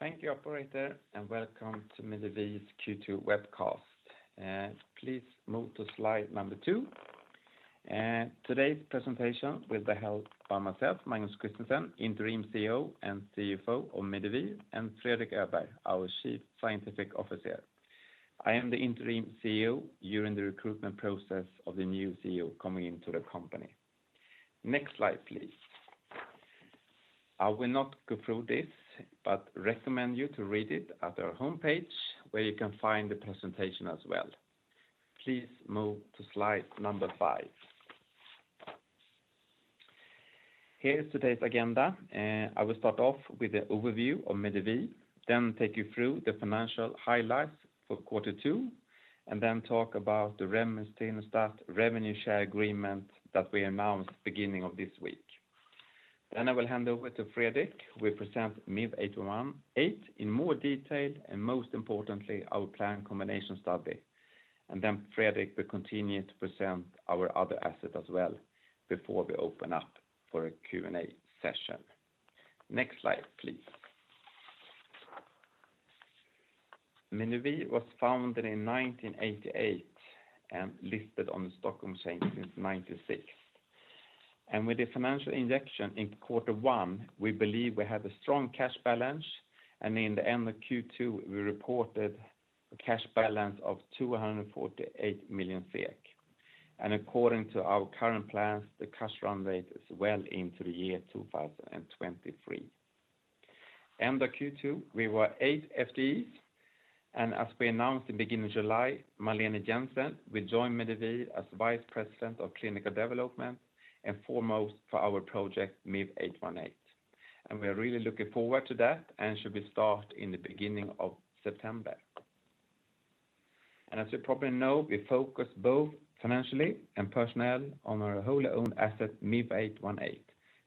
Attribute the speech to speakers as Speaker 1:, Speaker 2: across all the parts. Speaker 1: Thank you operator, welcome to Medivir's Q2 Webcast. Please move to slide number two. Today's presentation will be held by myself, Magnus Christensen, Interim Chief Executive Officer and Chief Financial Officer of Medivir, Fredrik Öberg, our Chief Scientific Officer. I am the Interim Chief Executive Officer during the recruitment process of the new Chief Executive Officer coming into the company. Next slide, please. I will not go through this, recommend you to read it at our homepage, where you can find the presentation as well. Please move to slide number 5. Here is today's agenda. I will start off with an overview of Medivir, take you through the financial highlights for quarter two, talk about the remetinostat revenue share agreement that we announced beginning of this week. I will hand over to Fredrik, who will present MIV-818 in more detail and most importantly, our planned combination study. Fredrik Öberg will continue to present our other assets as well before we open up for a Q&A session. Next slide, please. Medivir was founded in 1988 and listed on Nasdaq Stockholm since 1996. With the financial injection in Q1, we believe we have a strong cash balance, and in the end of Q2, we reported a cash balance of 248 million. According to our current plans, the cash run rate is well into the year 2023. End of Q2, we were 8 FTEs, and as we announced in beginning July, Malene Jensen will join Medivir as Vice President of Clinical Development and foremost for our project MIV-818. We are really looking forward to that and she will start in the beginning of September. As you probably know, we focus both financially and personnel on our wholly-owned asset, MIV-818,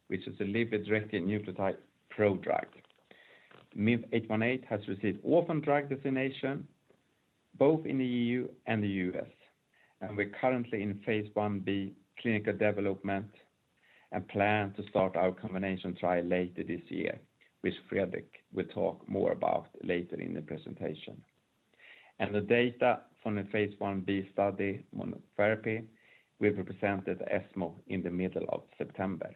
Speaker 1: which is a liver-directed nucleotide prodrug. MIV-818 has received orphan drug designation both in the EU and the U.S., and we're currently in phase I-B clinical development and plan to start our combination trial later this year, which Fredrik will talk more about later in the presentation. The data from the phase I-B study monotherapy will be presented at ESMO in the middle of September.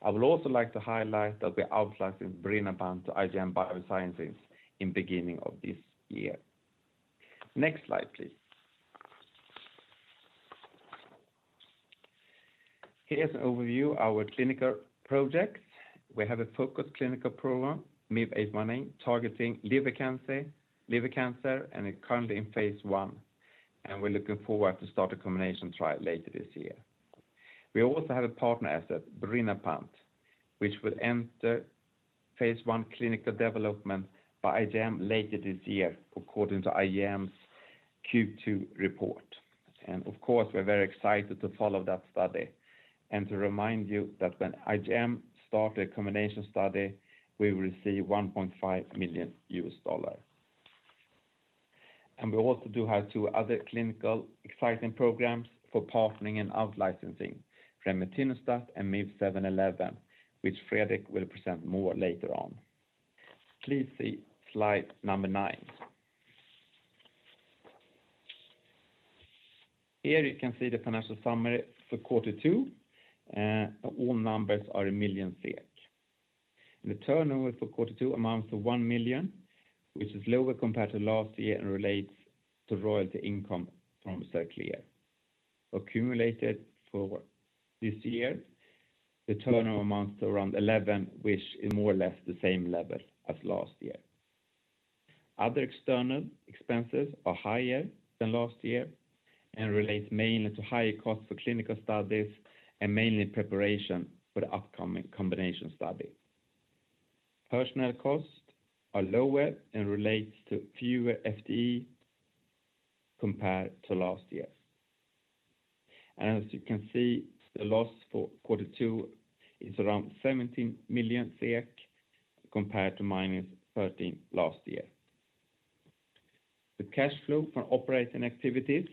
Speaker 1: I would also like to highlight that we're outlicensing birinapant to IGM Biosciences in beginning of this year. Next slide, please. Here is an overview of our clinical projects. We have a focused clinical program, MIV-818, targeting liver cancer, and it's currently in phase I, and we're looking forward to start a combination trial later this year. We also have a partner asset, birinapant, which will enter phase I clinical development by IGM later this year, according to IGM's Q2 report. Of course, we're very excited to follow that study. To remind you that when IGM start the combination study, we will receive $1.5 million. We also do have two other clinical exciting programs for partnering and outlicensing, remetinostat and MIV-711, which Fredrik will present more later on. Please see slide number nine. Here you can see the financial summary for quarter two. All numbers are in million SEK. The turnover for quarter two amounts to 1 million, which is lower compared to last year and relates to royalty income from Xerclear. Accumulated for this year, the turnover amounts to around 11, which is more or less the same level as last year. Other external expenses are higher than last year and relates mainly to higher costs for clinical studies and mainly preparation for the upcoming combination study. Personnel costs are lower and relates to fewer FTE compared to last year. As you can see, the loss for quarter two is around 17 million compared to minus 13 million last year. The cash flow from operating activities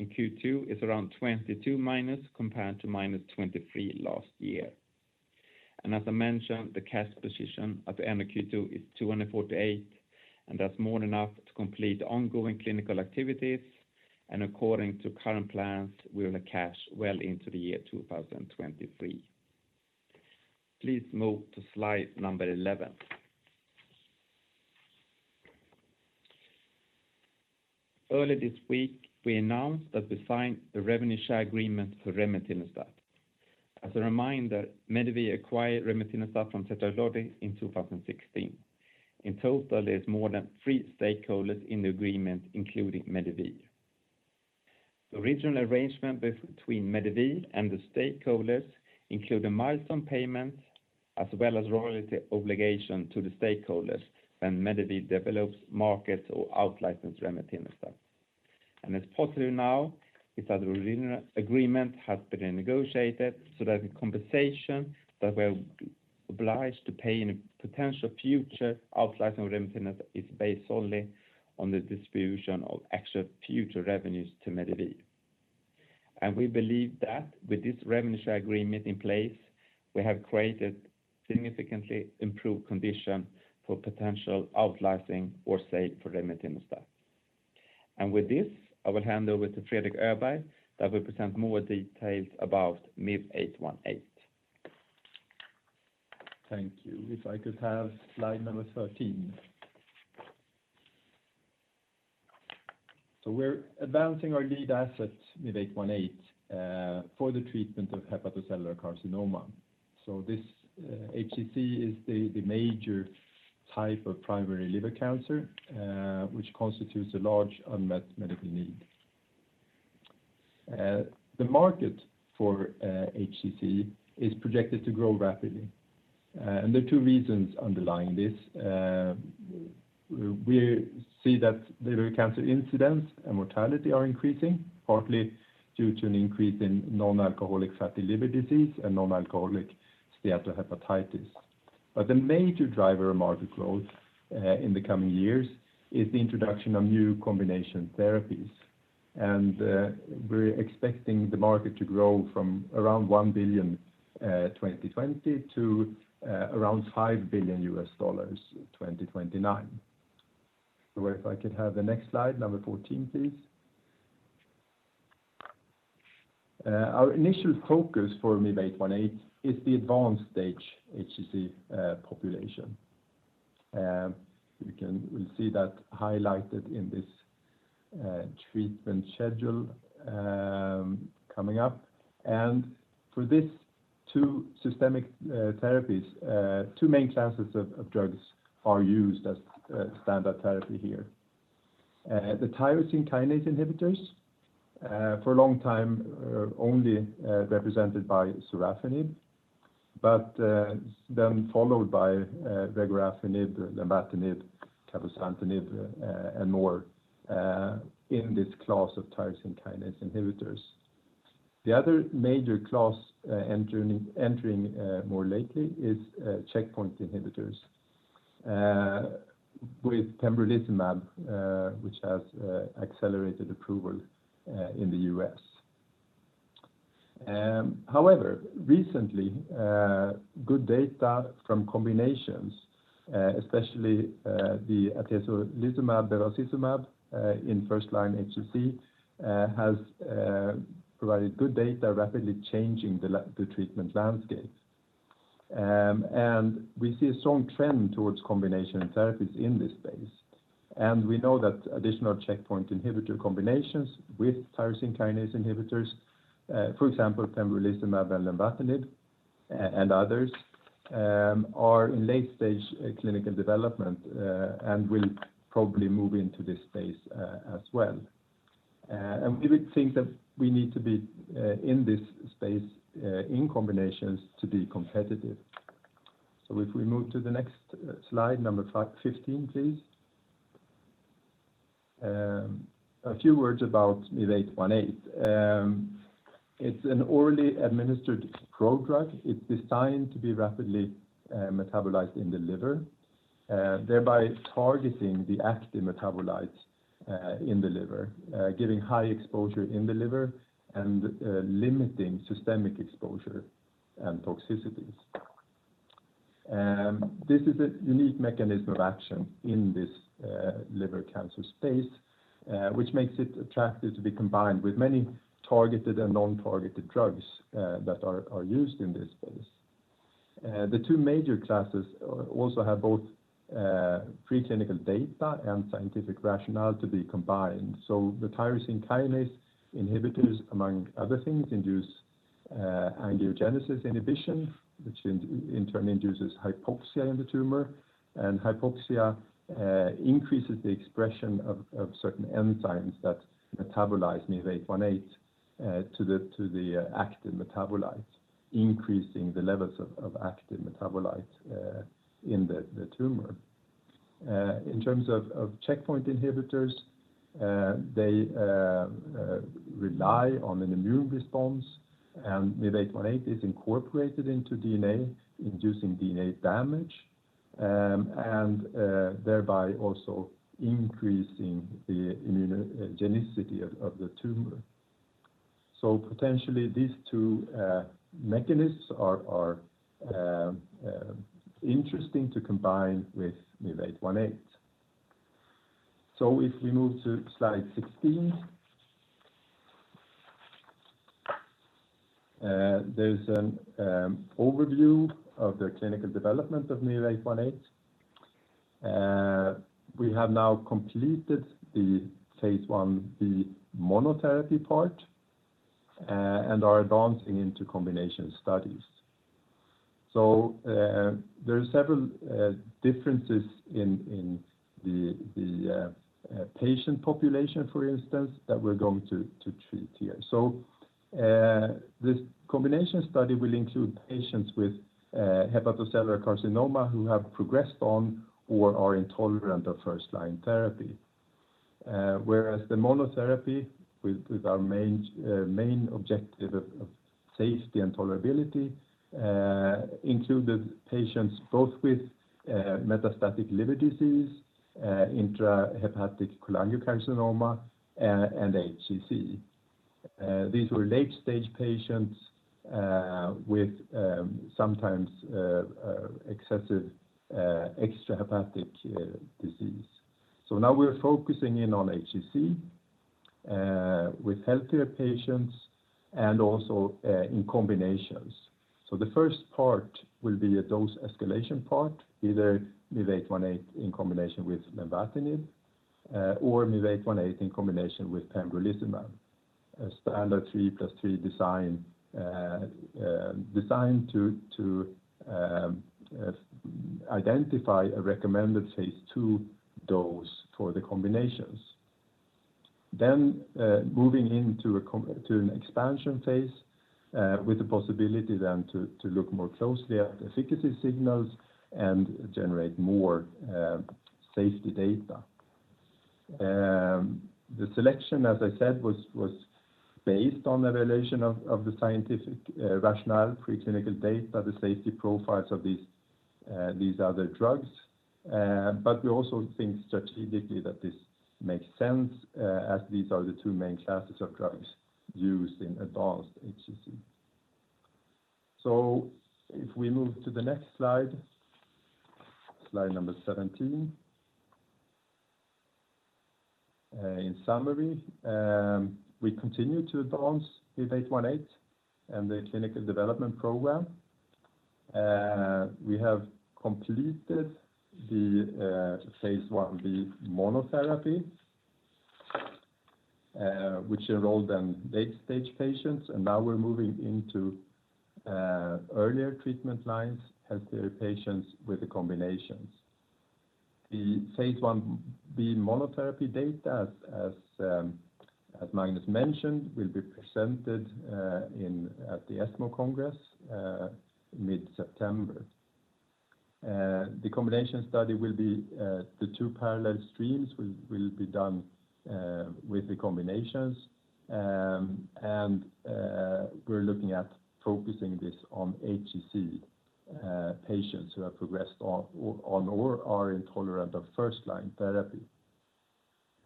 Speaker 1: in Q2 is around 22 million minus, compared to minus 23 million last year. As I mentioned, the cash position at the end of Q2 is 248 million, and that's more than enough to complete ongoing clinical activities. According to current plans, we're in cash well into the year 2023. Please move to slide number 11. Early this week, we announced that we signed the revenue share agreement for remetinostat. As a reminder, Medivir acquired remetinostat from Celldex in 2016. In total, there's more than three stakeholders in the agreement, including Medivir. The original arrangement between Medivir and the stakeholders include a milestone payment as well as royalty obligation to the stakeholders when Medivir develops markets or outlicense remetinostat. It's positive now is that the original agreement has been renegotiated so that the compensation that we're obliged to pay in potential future outlicensing of remetinostat is based only on the distribution of actual future revenues to Medivir. We believe that with this revenue share agreement in place, we have created significantly improved condition for potential out-licensing or sale for remetinostat. With this, I will hand over to Fredrik Öberg that will present more details about MIV-818.
Speaker 2: Thank you. If I could have slide number 13. We're advancing our lead asset, MIV-818, for the treatment of hepatocellular carcinoma. This HCC is the major type of primary liver cancer, which constitutes a large unmet medical need. The market for HCC is projected to grow rapidly, and there are two reasons underlying this. We see that liver cancer incidence and mortality are increasing, partly due to an increase in non-alcoholic fatty liver disease and non-alcoholic steatohepatitis. The major driver of market growth in the coming years is the introduction of new combination therapies. We're expecting the market to grow from around 1 billion 2020 to around $5 billion 2029. If I could have the next slide, number 14, please. Our initial focus for MIV-818 is the advanced stage HCC population. We'll see that highlighted in this treatment schedule coming up. For this two systemic therapies, two main classes of drugs are used as standard therapy here. The tyrosine kinase inhibitors, for a long time only represented by sorafenib, followed by regorafenib, lenvatinib, cabozantinib, and more in this class of tyrosine kinase inhibitors. The other major class entering more lately is checkpoint inhibitors, with pembrolizumab which has accelerated approval in the U.S. However, recently, good data from combinations, especially the atezolizumab bevacizumab in first line HCC has provided good data, rapidly changing the treatment landscape. We see a strong trend towards combination therapies in this space. We know that additional checkpoint inhibitor combinations with tyrosine kinase inhibitors, for example pembrolizumab and lenvatinib and others, are in late-stage clinical development, and will probably move into this space as well. We would think that we need to be in this space, in combinations to be competitive. If we move to the next slide, number 15, please. A few words about MIV-818. It's an orally administered prodrug. It's designed to be rapidly metabolized in the liver, thereby targeting the active metabolites in the liver, giving high exposure in the liver and limiting systemic exposure and toxicities. This is a unique mechanism of action in this liver cancer space, which makes it attractive to be combined with many targeted and non-targeted drugs that are used in this space. The two major classes also have both preclinical data and scientific rationale to be combined. The tyrosine kinase inhibitors, among other things, induce angiogenesis inhibition, which in turn induces hypoxia in the tumor, and hypoxia increases the expression of certain enzymes that metabolize MIV-818 to the active metabolites, increasing the levels of active metabolites in the tumor. In terms of checkpoint inhibitors, they rely on an immune response, and MIV-818 is incorporated into DNA, inducing DNA damage, and thereby also increasing the immunogenicity of the tumor. Potentially these two mechanisms are interesting to combine with MIV-818. If we move to slide 16. There's an overview of the clinical development of MIV-818. We have now completed the phase I-B monotherapy part, and are advancing into combination studies. There are several differences in the patient population, for instance, that we're going to treat here. This combination study will include patients with hepatocellular carcinoma who have progressed on or are intolerant of first-line therapy, whereas the monotherapy with our main objective of safety and tolerability included patients both with metastatic liver disease, intrahepatic cholangiocarcinoma, and HCC. These were late-stage patients with sometimes excessive extrahepatic disease. Now we're focusing in on HCC with healthier patients and also in combinations. The first part will be a dose escalation part, either MIV-818 in combination with nivolumab or MIV-818 in combination with pembrolizumab. A standard 3+3 design designed to identify a recommended phase II dose for the combinations. Moving into an expansion phase with the possibility then to look more closely at efficacy signals and generate more safety data. The selection, as I said, was based on the relation of the scientific rationale, preclinical data, the safety profiles of these other drugs. We also think strategically that this makes sense, as these are the 2 main classes of drugs used in advanced HCC. If we move to the next slide number 17. In summary, we continue to advance MIV-818 and the clinical development program. We have completed the phase I-B monotherapy, which enrolled the late-stage patients, and now we're moving into earlier treatment lines, healthier patients with the combinations. The phase I-B monotherapy data, as Magnus mentioned, will be presented at the ESMO Congress mid-September. The combination study will be the two parallel streams will be done with the combinations. We're looking at focusing this on HCC patients who have progressed on or are intolerant of first-line therapy.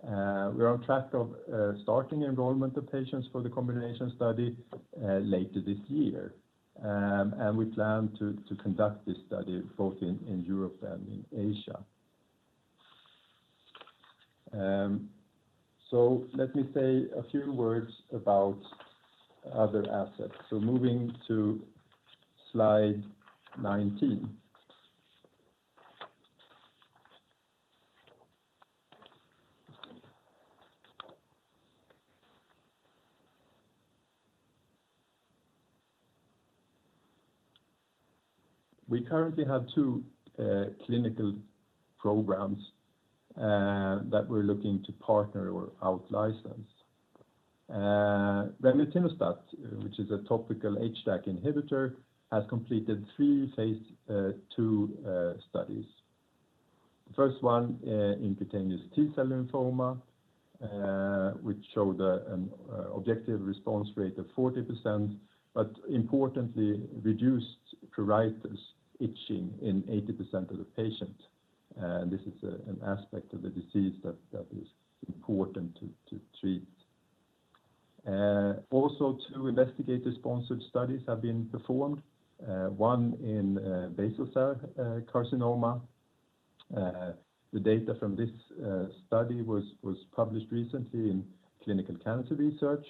Speaker 2: We're on track of starting enrollment of patients for the combination study later this year. We plan to conduct this study both in Europe and in Asia. Let me say a few words about other assets. Moving to slide 19. We currently have two clinical programs that we're looking to partner or out-license. remetinostat, which is a topical HDAC inhibitor, has completed three phase II studies. The first one in cutaneous T-cell lymphoma, which showed an objective response rate of 40%, but importantly, reduced pruritus itching in 80% of the patients. This is an aspect of the disease that is important to treat. Also, two investigator-sponsored studies have been performed, one in basal cell carcinoma. The data from this study was published recently in Clinical Cancer Research.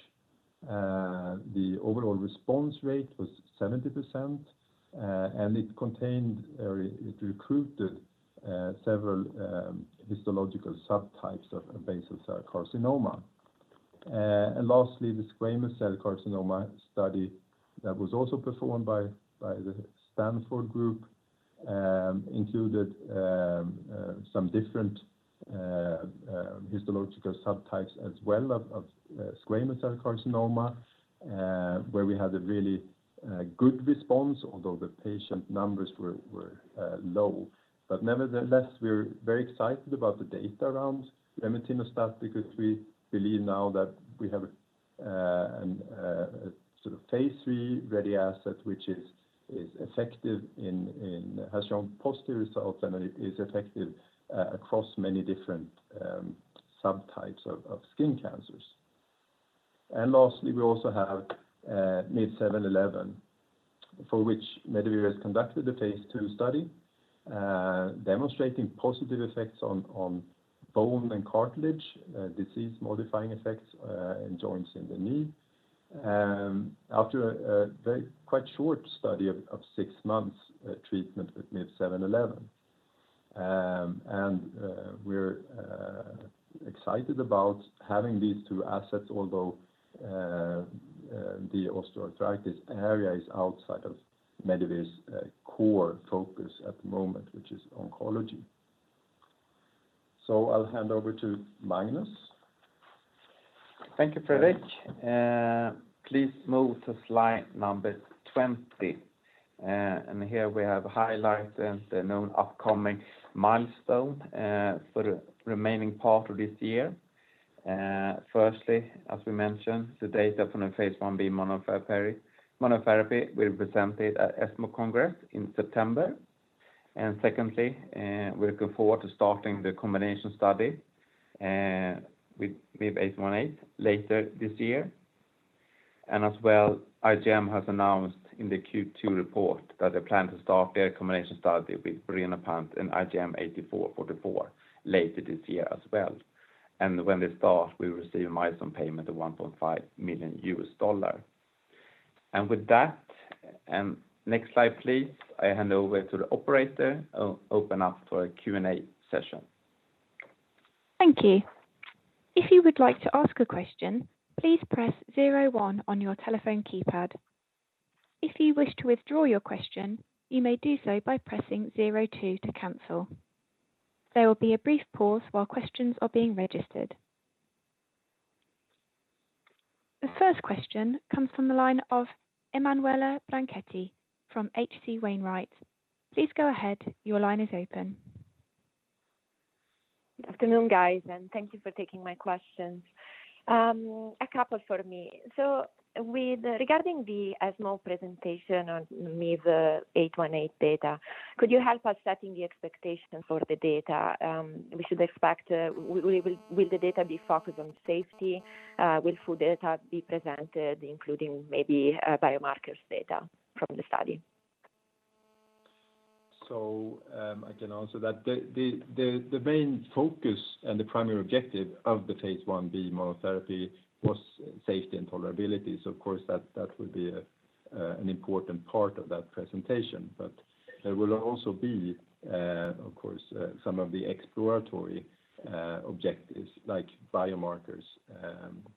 Speaker 2: The overall response rate was 70%. It recruited several histological subtypes of basal cell carcinoma. Lastly, the squamous cell carcinoma study that was also performed by the Stanford group included some different histological subtypes as well of squamous cell carcinoma, where we had a really good response, although the patient numbers were low. Nevertheless, we're very excited about the data around remetinostat because we believe now that we have a phase III-ready asset which has shown positive results and is effective across many different subtypes of skin cancers. Lastly, we also have MIV-711, for which Medivir has conducted a phase II study demonstrating positive effects on bone and cartilage, disease-modifying effects in joints in the knee after a quite short study of six months treatment with MIV-711. We're excited about having these two assets, although the osteoarthritis area is outside of Medivir's core focus at the moment, which is oncology. I'll hand over to Magnus.
Speaker 1: Thank you, Fredrik. Please move to slide number 20. Here we have highlighted the known upcoming milestones for the remaining part of this year. Firstly, as we mentioned, the data from the phase I-B monotherapy we presented at ESMO Congress in September. Secondly, we're looking forward to starting the combination study with MIV-818 later this year. As well, IGM has announced in the Q2 report that they plan to start their combination study with birinapant and IGM-8444 later this year as well. When they start, we receive a milestone payment of $1.5 million. With that, next slide please, I hand over to the operator. I'll open up for a Q&A session.
Speaker 3: Thank you. If you would like to ask a question, please press zero one on your telephone keypad. If you wish to withdraw your question, you may do so by pressing zero two to cancel. There will be a brief pause while questions are being registered. The first question comes from the line of Emanuela Branchetti from H.C. Wainwright. Please go ahead. Your line is open.
Speaker 4: Good afternoon, guys, and thank you for taking my questions. A couple for me. Regarding the ESMO presentation on MIV-818 data, could you help us setting the expectations for the data? Will the data be focused on safety? Will full data be presented, including maybe biomarkers data from the study?
Speaker 1: I can answer that. The main focus and the primary objective of the phase I-B monotherapy was safety and tolerability. Of course that will be an important part of that presentation. There will also be, of course, some of the exploratory objectives like biomarkers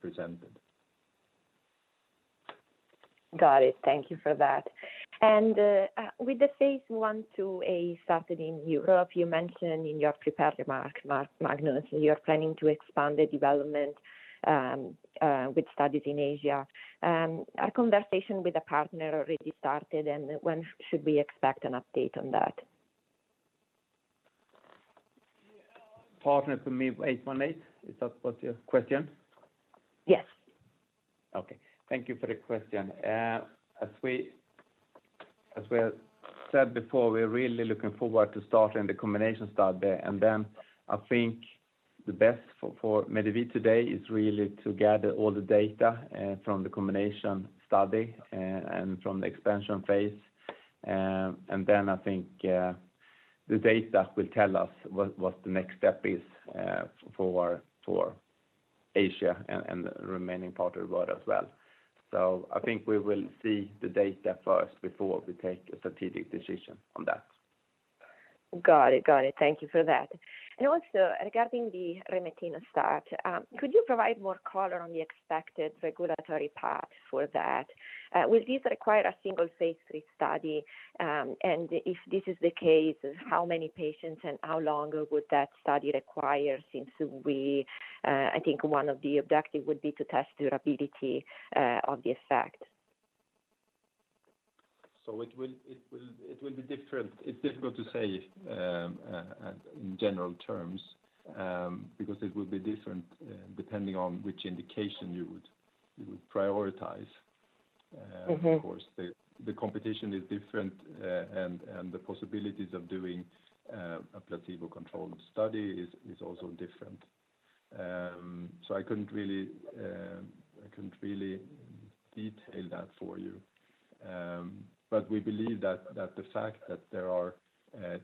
Speaker 1: presented.
Speaker 4: Got it. Thank you for that. With the Phase I/II-A starting in Europe, you mentioned in your prepared remarks, Magnus, you're planning to expand the development with studies in Asia. A conversation with a partner already started, and when should we expect an update on that?
Speaker 1: Partner for MIV-818, is that what's your question?
Speaker 4: Yes.
Speaker 1: Okay. Thank you for the question. As we have said before, we're really looking forward to starting the combination study there. I think the best for Medivir today is really to gather all the data from the combination study and from the expansion phase. I think the data will tell us what the next step is for Asia and the remaining part of the world as well. I think we will see the data first before we take a strategic decision on that.
Speaker 4: Got it. Thank you for that. Also regarding the remetinostat, could you provide more color on the expected regulatory path for that? Will this require a single phase III study? If this is the case, how many patients and how long would that study require since I think one of the objective would be to test durability of the effect.
Speaker 1: It's difficult to say in general terms because it will be different depending on which indication you would prioritize.
Speaker 2: The competition is different and the possibilities of doing a placebo-controlled study is also different. I couldn't really detail that for you. We believe that the fact that there are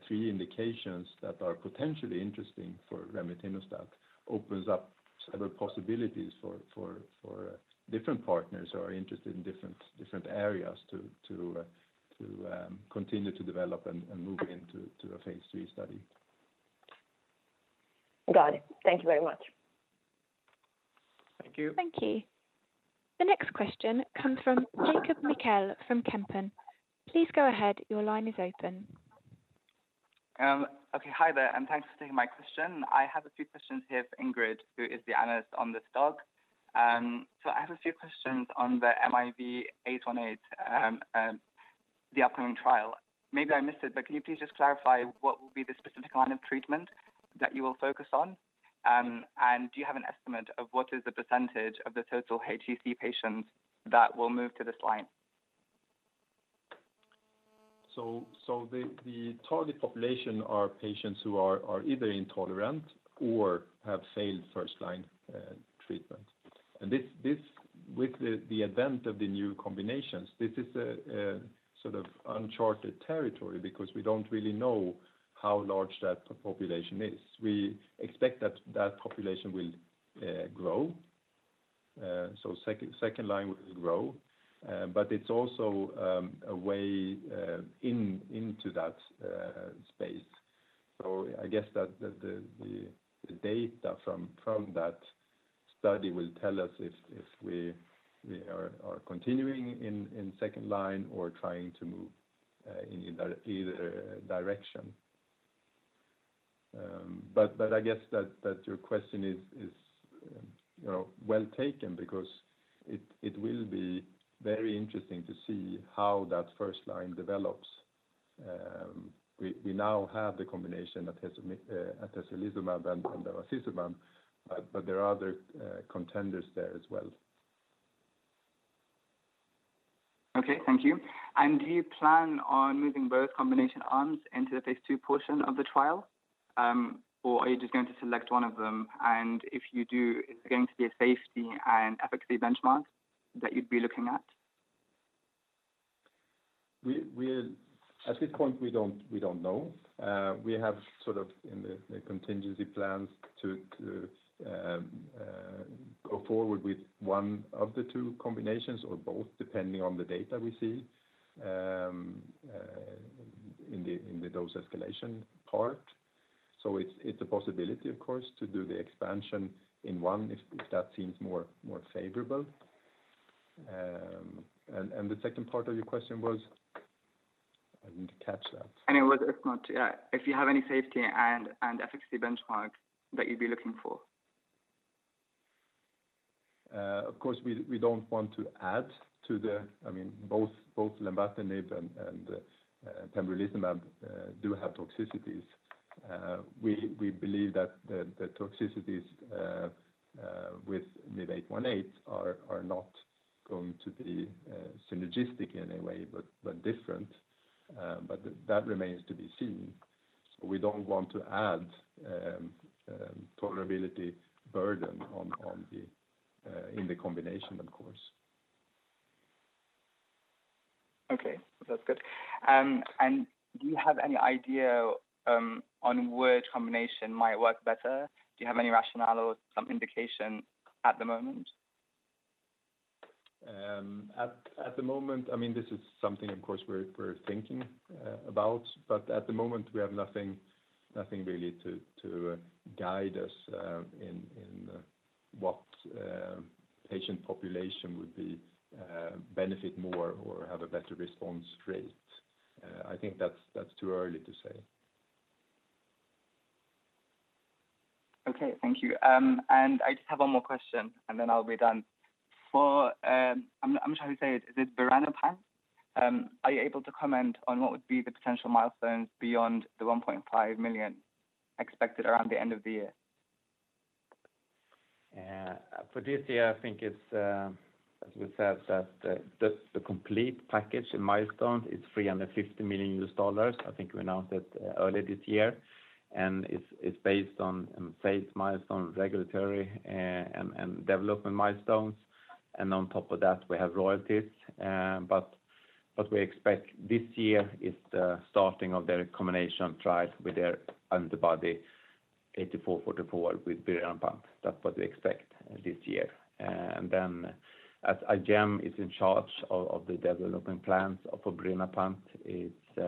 Speaker 2: three indications that are potentially interesting for remetinostat opens up several possibilities for different partners who are interested in different areas to continue to develop and move into a phase III study.
Speaker 4: Got it. Thank you very much.
Speaker 1: Thank you.
Speaker 3: Thank you. The next question comes from Jacob Mekhael from Kempen. Please go ahead, your line is open.
Speaker 5: Okay. Hi there, and thanks for taking my question. I have a few questions here for Ingrid, who is the Analyst on this stock. I have a few questions on the MIV-818, the upcoming trial. Maybe I missed it, can you please just clarify what will be the specific line of treatment that you will focus on? Do you have an estimate of what is the % of the total HCC patients that will move to this line?
Speaker 1: The target population are patients who are either intolerant or have failed first-line treatment. With the advent of the new combinations, this is a sort of uncharted territory because we don't really know how large that population is. We expect that that population will grow. Second line will grow but it's also a way into that space. I guess that the data from that study will tell us if we are continuing in second line or trying to move in either direction. I guess that your question is well taken because it will be very interesting to see how that first line develops.
Speaker 2: We now have the combination of atezolizumab and bevacizumab, but there are other contenders there as well.
Speaker 5: Okay, thank you. Do you plan on moving both combination arms into the phase II portion of the trial? Are you just going to select one of them? If you do, is there going to be a safety and efficacy benchmark that you'd be looking at?
Speaker 2: At this point, we don't know. We have contingency plans to go forward with one of the 2 combinations or both, depending on the data we see in the dose escalation part. It's a possibility, of course, to do the expansion in 1 if that seems more favorable. The second part of your question was? I didn't catch that.
Speaker 5: It was if you have any safety and efficacy benchmarks that you'd be looking for.
Speaker 2: Both lenvatinib and pembrolizumab do have toxicities. We believe that the toxicities with MIV-818 are not going to be synergistic in any way, but different. That remains to be seen. We don't want to add tolerability burden in the combination, of course.
Speaker 5: Okay. That's good. Do you have any idea on which combination might work better? Do you have any rationale or some indication at the moment?
Speaker 2: At the moment, this is something, of course, we're thinking about, but at the moment, we have nothing really to guide us in what patient population would benefit more or have a better response rate. I think that's too early to say.
Speaker 5: Okay, thank you. I just have one more question, and then I'll be done. I'm trying to say it. Is it birinapant? Are you able to comment on what would be the potential milestones beyond the $1.5 million expected around the end of the year?
Speaker 1: For this year, I think it's, as we said, that the complete package of milestones is $350 million. I think we announced that earlier this year, and it's based on phase milestones, regulatory and development milestones. On top of that, we have royalties. What we expect this year is the starting of their combination trial with their antibody 8444 with birinapant. That's what we expect this year. As IGM is in charge of the development plans for birinapant, it's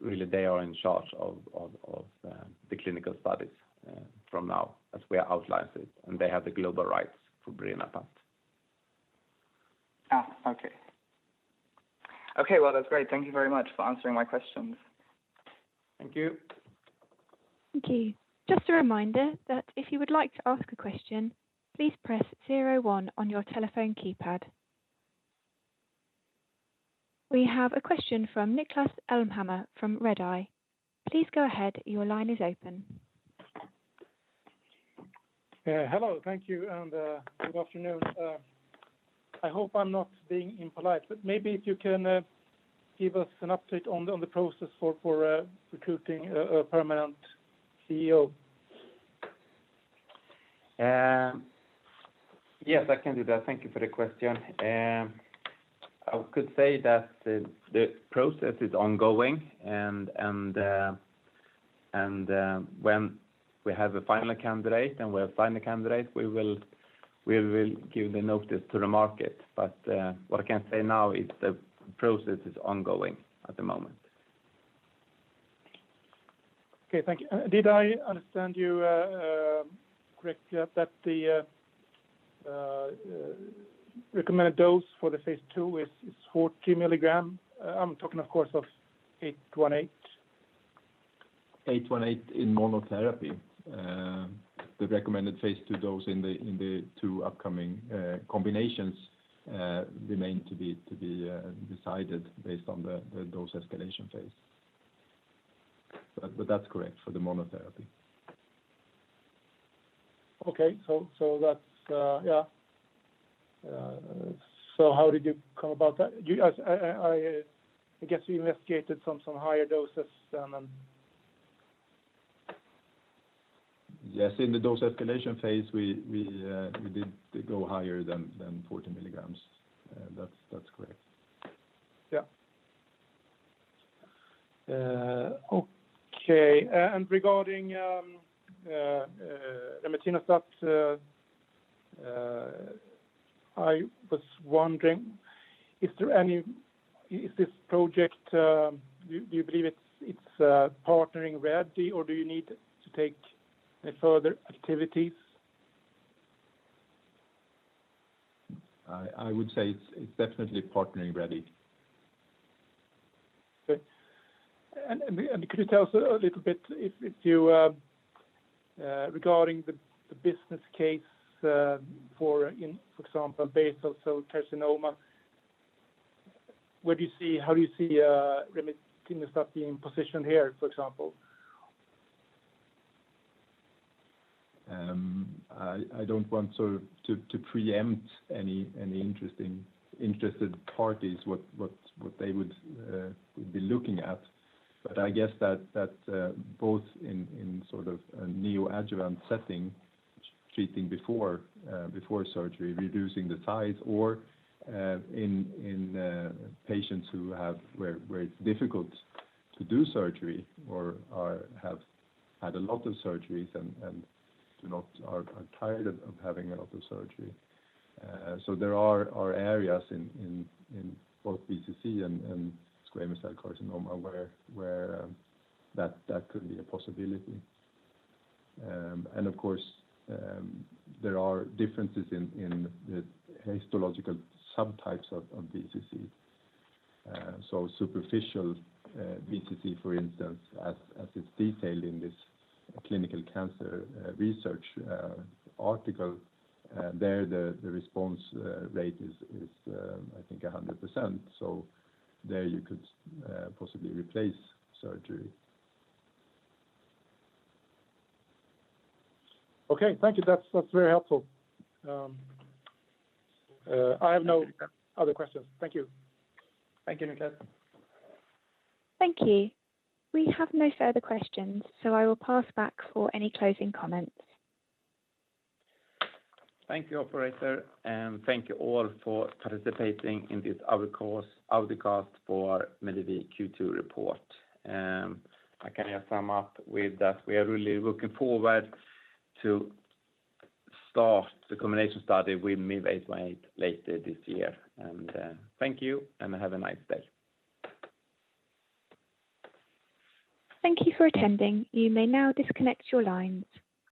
Speaker 1: really they are in charge of the clinical studies from now as we outlined it, and they have the global rights for birinapant.
Speaker 5: Okay, well, that's great. Thank you very much for answering my questions.
Speaker 1: Thank you.
Speaker 3: Thank you. We have a question from Niklas Elmhammer from Redeye.
Speaker 6: Yeah, hello. Thank you, and good afternoon. I hope I'm not being impolite, but maybe if you can give us an update on the process for recruiting a permanent CEO.
Speaker 1: Yes, I can do that. Thank you for the question. I could say that the process is ongoing, and when we have a final candidate, we will give the notice to the market. What I can say now is the process is ongoing at the moment.
Speaker 6: Okay, thank you. Did I understand you correctly that the recommended dose for the phase II is 40 mg? I'm talking, of course, of 818.
Speaker 2: MIV-818 in monotherapy. The recommended phase II dose in the two upcoming combinations remains to be decided based on the dose escalation phase. That's correct for the monotherapy.
Speaker 6: Okay. How did you come about that? I guess you investigated some higher doses than.
Speaker 2: Yes, in the dose escalation phase, we did go higher than 40 mg. That is correct.
Speaker 6: Yeah. Okay, regarding remetinostat, I was wondering, is this project, do you believe it's partnering-ready, or do you need to take any further activities?
Speaker 2: I would say it's definitely partnering-ready.
Speaker 6: Okay. Could you tell us a little bit regarding the business case for example basal cell carcinoma, how do you see remetinostat being positioned here, for example?
Speaker 2: I don't want to preempt any interested parties, what they would be looking at. I guess that both in a neoadjuvant setting, treating before surgery, reducing the size, or in patients where it's difficult to do surgery or have had a lot of surgeries and are tired of having a lot of surgery. There are areas in both BCC and squamous cell carcinoma where that could be a possibility. Of course, there are differences in the histological subtypes of BCC. Superficial BCC, for instance, as is detailed in this Clinical Cancer Research article there the response rate is I think 100%. There you could possibly replace surgery.
Speaker 6: Okay. Thank you. That's very helpful. I have no other questions. Thank you.
Speaker 1: Thank you, Niklas.
Speaker 3: Thank you. We have no further questions. I will pass back for any closing comments.
Speaker 1: Thank you, operator. Thank you all for participating in this webcast for Medivir Q2 report. I can just sum up with that we are really looking forward to start the combination study with MIV-818 later this year. Thank you and have a nice day.
Speaker 3: Thank you for attending. You may now disconnect your lines.